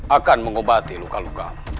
akan mengobati luka luka